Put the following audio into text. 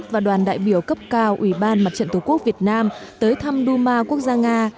và đoàn đại biểu cấp cao ủy ban mặt trận tổ quốc việt nam tới thăm duma quốc gia nga